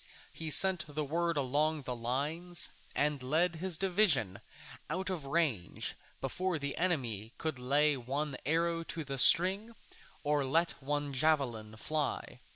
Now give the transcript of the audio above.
He sent the word along the lines and led his division out of range before the enemy could lay one arrow to the string or let one javelin fly.